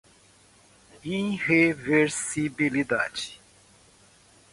irreversibilidade